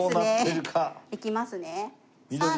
いきますね。